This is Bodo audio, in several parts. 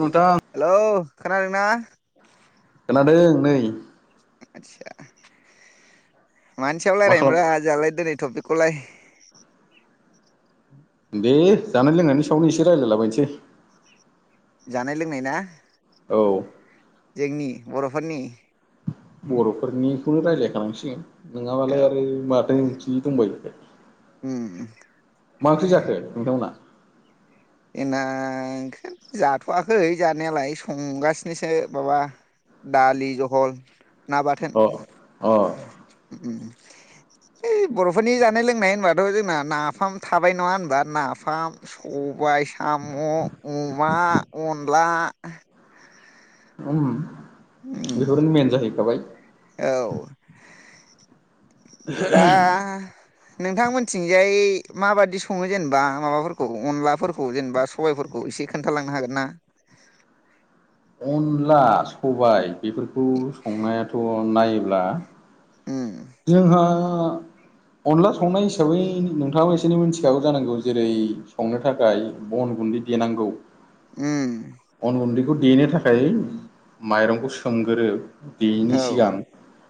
नोंथां हेल' खोनदोंना? खोनादों नै आदसा मानसियाव मा रायलायनोरा खालाम जोंहालाय दिनै थपिखौलाय दे जानाय लोंनायनि सायावनो एसे रायजलायलाबायनोसै जानाय लोंनाय ना? औ जोंनि बर'फोरनि बर'फोरनिखौनो रायलायखानांसिगोन औ नङाबालाय आरो माथो जि दंबावोखाय। उम मा ओंख्रि जाखो नोंथांमोना? जोंना ओंख्रि जाथ'वाखै जानायालाय संगासिनोसो माबा दालि जहल ना बाथोन। अ अ उम ओइ बर'फोरनि जानाय लोंनाय होनबाथ' जोंना नाफाम थाबाय नङा होनबा नाफाम स बाइ, साम', अमा, अनला उम उम बेफोरनो मेन जाहैखाबाय। औ दा नोंथांमोनथिंजाय माबादि सङो जेनेबा माबाफोरखौ अनलाफोरखौ जेनेबा सबायफोरखौ इसे खोन्थालांनो हागोन ना? अनला, सबाय बेफोरखौ संनायाथ' नायोब्ला उम जोंहा अनला संनाय हिसाबै नोंथाङाबो एसे मिथिखागौ जानांगौ जेरै संनो थाखाय अन गुन्दै देनांगौ। उम बेखौ देनो थाखाय माइरंखौ सोमग्रो। देयैनि औ सिगां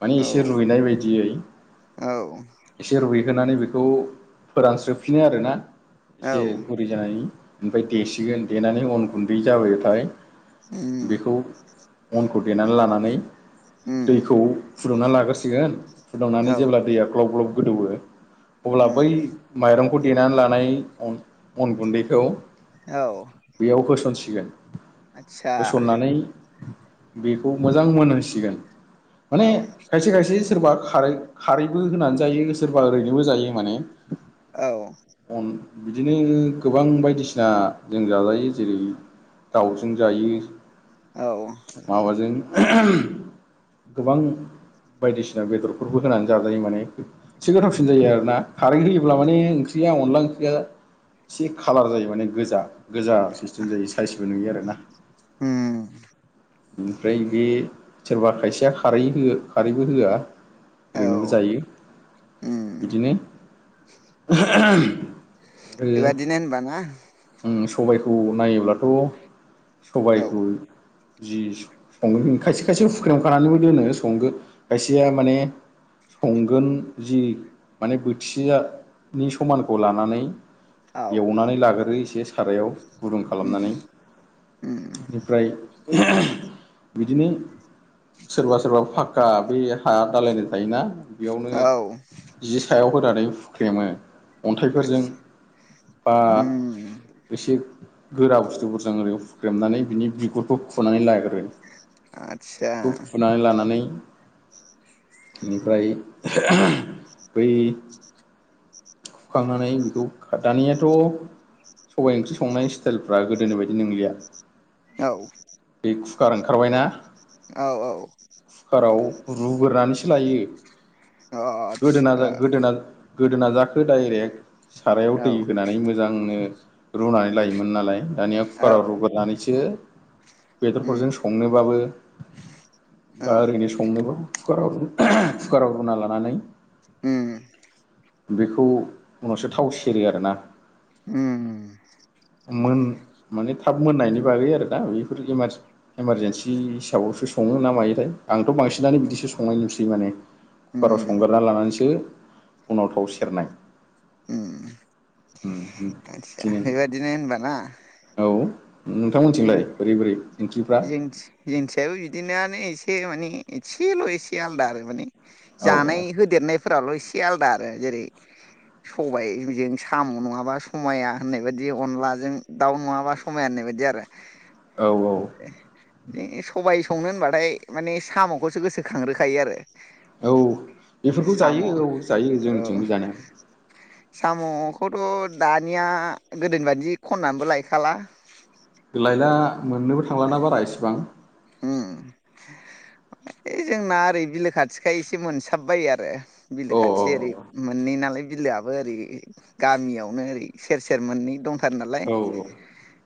माने औ एसे रुइनाय बायदियै औ एसे रुइ होनानै बेखौ फोरानस्रोफिनो आरोना औ एसे गुरै जानायनि। ओमफ्राय देसिगोन देनानै अन गुन्दै जाबायथाय उम बेखौ अन खौ देनानै लानानै उम दैखौ फुदुंनानै लाग्रोसिगोन। फुदुंनानै औ जेब्ला दैया ग्लब ग्लब गोदौवो अब्ला उम बै माइरं खौ देनानै लानाय अन अन गुन्दैखौ औ बेयाव होसनसिगोन। आदसा होसननानै बेखौ मोजां मोनहोसिगोन। माने औ खायसे खायसे सोरबा खारै खारैबो होनानै जायो सोरबा ओरैनोबो जायो माने। औ अन बिदिनो गोबां बायदिसिना जों जालायो जेरै दाउजों जायो। औ माबाजों गोबां बायदिसिना बेदर होनानै जाजायो माने एसे गोथावसिन जायो आरोना खारै होयोब्ला माने ओंख्रिया अनला ओं ख्रिया एसे खालार जायो माने गोजा। गोजा सिस्टेम जायो साइसबो नुयो आरो ना। उम ओमफ्राय बे सोरबा खायसेया खारै हो खारैबो होआ। औ ओरैनो जायो। उम बिदिनो ओ। बेबादिनो होनबा ना उम सबाइखौ नायोब्लाथ' औ सबाइखौ जि सं खायसे खायसे हुख्रेमखानानैबो दोनो संगो खायसेया माने संगोन जि माने बोथिसेया नि समानखौ लानानै औ एवनानै लागोरो एसे सारायाव। गुदुं उम खालामनानै उम बिनिफ्राय बिदिनो सोरबा सोरबा फाक्का बे हा दालालि थायोना बेयावनो औ जि सायाव होनानै हुख्रेमो। अन्थाइफोरजों आदसा बा उम एसे गोरा बुस्थुफोरजों ओरै हुख्रेमनानै बिनि बिगुरखौ खुनानै लाग्रोयो। आदसा खौ खुनानै लानानै बेनिफ्राय बै खुखांनानै बेखौ खा दानियाथ' सबाइ ओंख्रि संनाय स्टाइलफ्रा गोदोनि बायदि नोंलिया। औ। खुकार ओंखारबायना। औ औ। रुगोरनानैसो लायो। अ अ गोदोना आदसा। गोदोना गोदोना जाखो डाइरेक्ट सारायाव दै औ होनानै मोजांनो। रुनानै लायोमोन नालाय दानिया औ कुकाराव रुगोरनानैसो उम बेदरफोरजों संनोबाबो औ बा ओरैनो संनोबो कुकाराव [unintelligible] कुकाराव रुनानै लानानै ओम। बेखौ उनावसो थाव सेरो आरोना। ओम। मोन माने थाब मोननायनि बागै आरो दा बेयो। बेफोर इमारज-इमारजेन्सि हिसाबावसो सङो ना मायोथाय आंथ' बांसिनानो बिदिसो संनाय नुसै माने। उम कुकाराव संगोरना लानानैसो उनाव थाव सेरनाय। [inaudible] आदसा बिदिनो बेबायदिनो होनबा ना? औ नोंथांमोनथिंलाय? बोरै बोरै जो ओंख्रिफ्रा जोंनिथि-जोंनिथिंजायबो बिदिनोआनो ऐसे एसे माने एसेल' एसे आलदा आरो माने औ जानाय होदेरनायफोराल' एसे आलदा आरो ए जेरै। सबाइजों साम' नङाबा समाया होननाय बायदि अनलाजों दाउ नङाबा समाया होननाय बायदि आरो। औ औ ओ सबाइ संनो होनबाथाय माने साम'खौसो गोसोखांग्रोखायो आरो औ बेफोरखौ साम' जायो औ जायो औ जोंनिथिंबो जायो। साम'खौथ' दानिया गोदोनि बादि खननानैबो लायखाला। लायला मोननोबो थांलाना बारा इसिबां। ओं। बिलो खाथि अ ओरै मोननै नालाय। बिलोआबो ओरै गामियावनो ओरै सेर सेर मोननै दंथारो नालाय। अ औ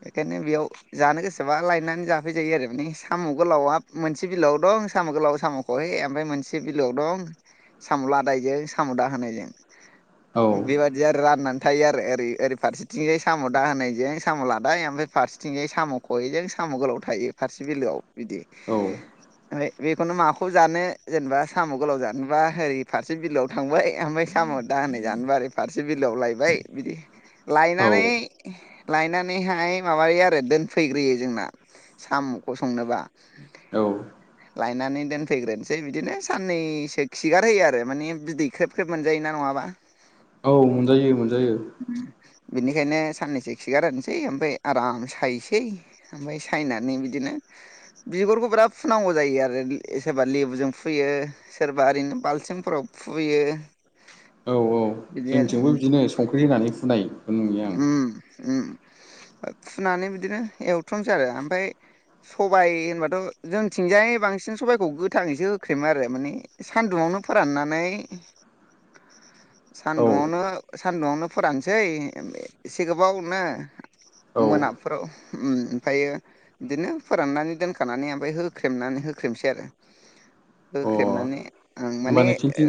बेखायनो बेयाव जानो गोसोबा लायनानै जाफैजायो आरो बेनोस साम' गोलावा मोनसे बिलोआव दं साम' गोलाव साम'खहे ओमफ्राय मोनसे बिलोआव दं साम'। लादाइजों साम'दाहोनायजों औ बेबायदि आरो राननानै। थायो आरो ओरै ओरै फारसेथिंजाय साम' दाहोनायजों साम' लादाइ ओमफ्राय फारसेथिंजाय साम' खहेजों सा। साम' गोलाव थायो फारसे बिलोआव बिदि औ ओमफ्राय बेखौनो माखौ जानो जेनेबा साम' गोलाव जानोबा ओरि फारसे बिलोआव थांबाय ओमफ्राय साम' दा आनाय जानबो आरो फारसे बिलोआव लायबाय बिदि औ लायनानै लायनानैहाय माबायो आरो दोनफैग्रोयो जोंना साम'खौ संनोबा औ। लायनानै दोनफैग्रोनोसै बिदिनो साननैसो खिगारहोयो आरो माने बिदै ख्रेब ख्रेब मोनजायोना नङा बा। औ मोनजायो मोनज उम। बिनिखायनो साननैसो खिगार होनसै ओमफाय आराम सायसै ओमफाय सायनानै बिदिनो बिगुरखौ बिराद फुनांगौ जायो आरो सोरबा लेबुजों फुयो सोरबा ओरैनो बाल थिमफोराव फुयो। औ औ बिदि आरो जोंथिंबो उम बिदिनो संख्रि होनानै फुनाय उम उम फुनानै बिदिनो एवथ'नोसै आरो ओमफाय सबाय होनबाथ' जोंथिंजाय बांसिन सबाइखौ गोथाङैसो होख्रेमो आरो माने सान्दुंआव नो फोराननानै [inaudible] औ सान्दुंआवनो सान्दुआवनो फोरानसै एसे गोबावनो औ मोनाफ्राव उम ओमफ्रायो बिदिनो फोराननानै दोनखानानै ओमफाय होख्रेमनानै होख्रेमसै आरो। अ होख्रेबनानै होमबा आं माने ओ नोंसिनिथिं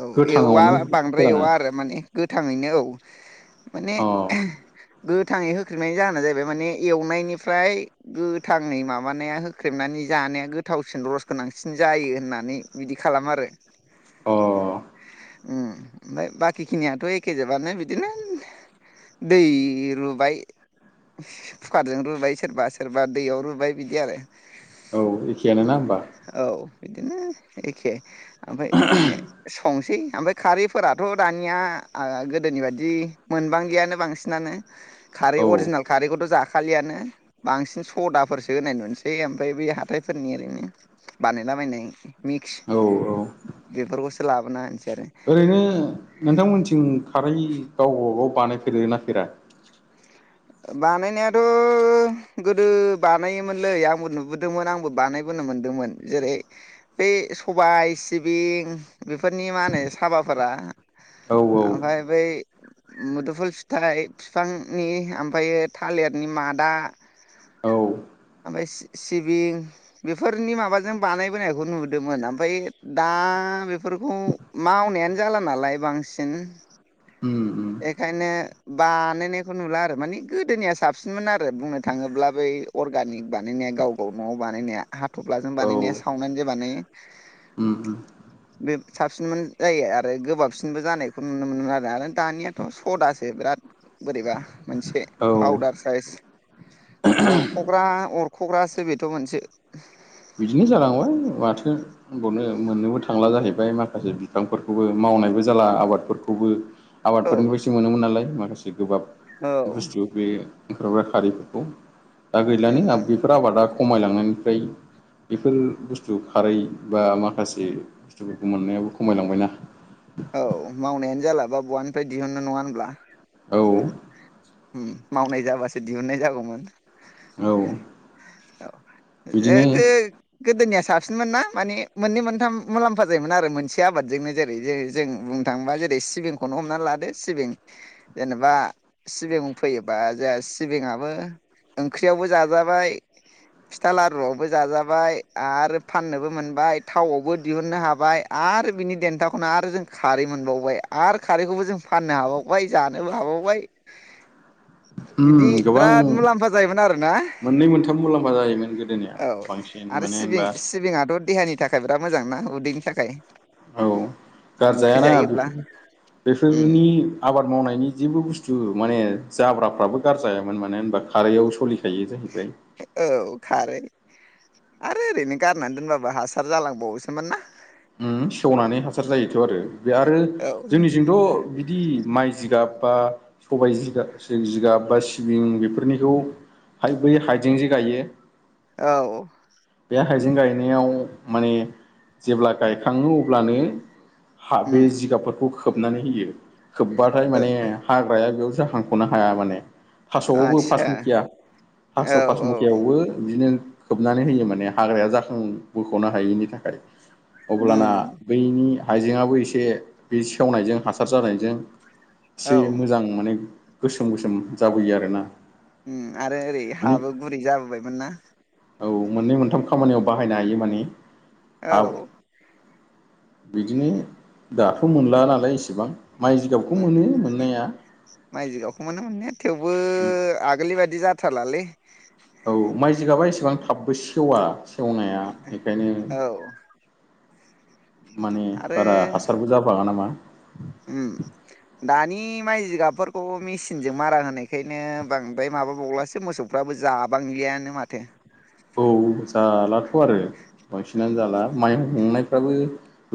औ एववा गोथाङावनो बांद्राय फोरानो एवा आरो माने गोथाङैनो औ माने अ एह गोथाङै होख्रेनायनि जाहोना जाहैबाय माने एवनायनिफ्राय गोथाङै माबानाया होख्रेबनानै जानाया गोथावसिन रस गोनांसिन जायो होननानै बिदि खालामो आरो। अ। उम ओमफाय बाखिखिनियाथ' एखे जोबानो बिदिनो। दै रुबाय कुकारजों रुबाय सोरबा सोरबा दैयाव रुबाय बिदि आरो। औ एखेयानो ना होमबा? औ बिदिनो एखे ओमफाय बिदिनो संसै। ओमफाय खारैफोराथ' दानिया ओ गोदोनि बादि मोनबांगियानो बांसिनानो। खारै औ अरिजिनेल खारैखौथ' जाखालियानो बांसिन सदाफोरसो होनाय नुनोसै ओम फाय बै हाथाइफोरनि ओरैनो बानायलाबायनाय मिक्स औ औ बेफोरखौसो लाबोना आरो ओरैनो नोंथांमोनथिं खारै गावबा गाव बानायफेरो ना फेरा? बानायनायाथ' गोदो बानायोमोनलै आंबो नुबोदोंमोन आंबो बानायबो नो मोनदोंमोन जेरै बै सबाय, सिबिं बेफोरनि मा होनो साबाफोरा औ औ ओमफाय बै मुदुफुल फिथाइ फिफांनि ओमफायो थालिरनि मादा औ सिबिं बेफोरनि माबाजों बानायबोनायखौ नुदोंमोन ओमफाय दा बेफोरखौ मावनायानो जाला नालाय बांसिन उम उम एखायनो बा नायनायखौ नुला आरो माने गोदोनिया साबसिनमोन आरो बुंनो थाङोब्ला बै अर्गानिक बानायनाया गाव गाव न'आव बानायनाया हाथफ्लाजों औ बानायनाया सावनानै जे बानायो। उम उम बे साबसिनमोन जायो आरो गोबाबसिनबो जानायखौ नुनो मोनोन आरो आरो दानियाथ' सदासो बिराद बोरैबा मोनसे औ पावदार साइस अरख'ग्रा अरख'ग्रासो बेथ' मोनसे बिदिनो जालांबाय माथो होनबावनो मोननोबो थांला जाहैबाय माखासे बिफांफोरखौबो माव नायबो जाला आबादफोरखौबो। औ आबादफोरनि [unintelligible] मोनोमोन नालाय माखासे गोबाब औ बुस्थु बे [unintelligible] खारैफोरखौ दा गैलानो बेनोदां बेफोर आबादा खमायलांनायनिफ्राय बेफोर बुस्थु खारै बा माखासे बुस्थुफोरखौ मोननायाबो खमायलांबायना। औवानिफ्राय दिहुननो नङा होनब्ला? औ उम मावनाय जाबासो दिहुननाय जागौमोन। औ ए बिदिनो गो गोदोनियासो साबसिनमोन ना माने मोननै मोनथाम मुलाम्फा जायोमोन आरो मोनसे आबादजोंनो जेरै जे जों बुंनो थाङोबा जेरै सिबिंखौनो हमना लादो सिबिं जेनेबा सिबिं फैयोबा जोंहा सिबिङाबो ओंख्रियावबो जाजाबाय फिथा लारुआवबो जाजाबाय आरो फाननोबो मोनबाय थावआवबो दिहुननो हाबाय आ आरो बिनि देन्थाखौनो आरो जों खारै मोनबावबाय आरो खारैखौबो जों फाननो हाबावबाय जानोबो हाबावबाय बिदि उम गोबां बिराद मुलाम्फा जायोमोन आरोना मोननै मोनथाम मुलाम्फा जायोमोन गोदोनिया औ बांसिन आरो मानो सिबिं होनबा सिबिङाथ' देहानि थाखाय बिराद मोजां ना उदैनि थाखाय। औ ओंख्रि गारजायाना जायोब्ला बेफोर उम बेफोरनि आबाद मावनायनि जेबो बुस्थु माने जाब्राफ्राबो गारजायामोन मानो होनबा खारैआव सलि औ खारै आरो ओरैनो गारनानै दोनबाबो हासार जालांबावोसोमोन ना? उम सेवनानै हासार जायोथ' आरो बे आरो औ जोंनिजोंंथ' बिदि माइ जिगाब बा सबाय जिगाब जिगाब बा सिबिं बेफोरनिखौ हाइ बै हाइजें जे गायो औ बे हाइजें गायनायाव माने जेब्ला गायखाङो अब्लानो हा बे उम जिगाबफोरखौ खोबनानै होयो खोबबाथाय ओ माने हाग्राया बेयाव जाखांख'नो हाया माने। थास'आवबो आदसा पासमुखिया औ थास' औ पासमुखियावबो बिदिनो खोबनानै होयोमोन। माने हाग्राया जाखां बोख'नो हायिनि थाखाय अब्लाना उम बैनि हाइजेङाबो एसे बे सेवनायजों हासार जानायजों एसे औ मोजां मोनो गोसोम गोसोम जाबोयो आरोना। उम आरो ओरै माने हाबो गुरै जाबोबायमोन ना औ मोननै मोनथाम खामानियाव बाहायनो हायो माने। आव औ बिदिनो दाथ' मोनला नालाय एसेबां मोनो माइ जिगावखौ मोनोमोनाया थेवबो थेवबो आगोलनि बायदि जाथारलालै। औ माइ जिगाबा एसेबां थाबबो सेवा सेवनाया बेखायनो। औ माने आरो बारा हासारबो जाबाङा नामा। उम दानि माइ जिगाबफोरखौ मेसिनजों मारा होनायखायनो बांद्राय मा माबाबावलासो मोसौफ्राबो जाबांलियानो माथो। औ जालाथ' आरो उम बांसिनानो जाला माइ हुंनाय। फाबो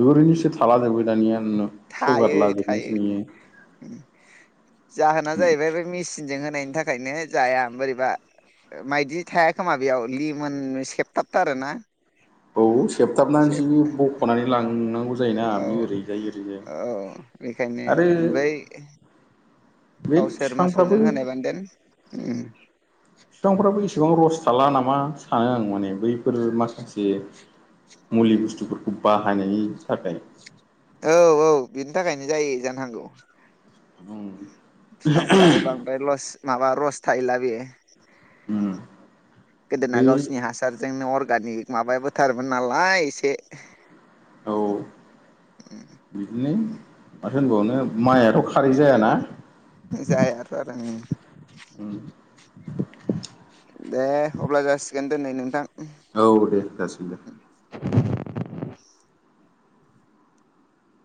ओरैनोसो थाला जोबो दानिया। थायो सेवगारला थायो जोबनायसो नुयो जाहोना जाहैबाय बे मेसिनजों होन होनायनि थाखायनो जाया बोरैबा मायदि थाया खोमा बेयाव लिमोन सेबथाबथारो ना। औ खेबथाबनानैसो बख'नानै लांनांगौ जायोना औ बियो ओरैजाय ओरैजाय। औ बेखायनो आरो बै बे गावसोर बिफांफ्राबो मोसौजों होनाय बानो देन उम। बिफांफ्राबो इसेबां रस थाला नामा सानो आं माने बैफोर माखासे मुलि बुस्थुफोरखौ बाहायनायनि थाखाय। औ औ बिनि थाखायनो जायो जानो हागौ। ओम बिफांफोराबो बांद्राय लस माबा रस थाहैला बेयो। उम गोदोना बै गावसिनि हासारजोंनो अर्गानिक माबायाबोथारमोन नालाय एसे औ बिदिनो। माथो होनबावनो माइआथ' खारै जायाना? जायाथ आरो ओम उम दे अब्ला जासिगोन दोनै नोंथां। औ दे जासिम दे। [inaudible]